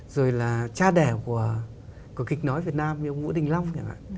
rồi là cha đẻ của kịch nói việt nam ông vũ đình long